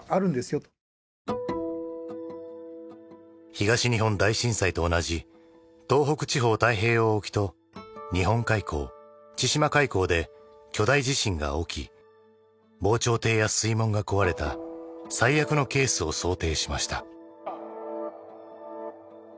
東日本大震災と同じ東北地方太平洋沖と日本海溝千島海溝で巨大地震が起き防潮堤や水門が壊れた最悪のケースを想定しました。